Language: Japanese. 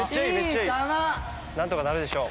なんとかなるでしょう。